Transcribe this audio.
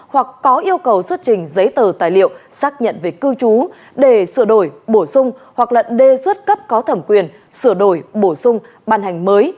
hoặc có yêu cầu xuất trình giấy tờ tài liệu xác nhận về cư trú để sửa đổi bổ sung hoặc là đề xuất cấp có thẩm quyền sửa đổi bổ sung ban hành mới